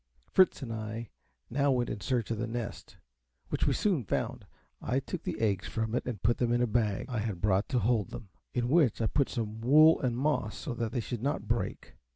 Fritz and I now went in search of the nest, which we soon found. I took the eggs from it and put them in a bag I had brought to hold them, in which I put some wool and moss, so that they should not break.